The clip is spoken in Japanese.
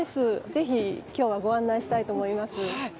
ぜひ今日はご案内したいと思います。